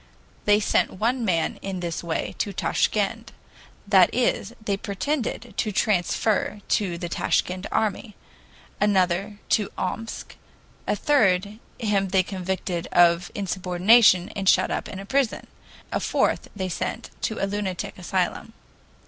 They sent one man in this way to Tashkend that is, they pretended to transfer to the Tashkend army; another to Omsk; a third him they convicted of insubordination and shut up in prison; a fourth they sent to a lunatic asylum.